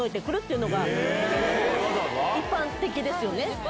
一般的ですよね。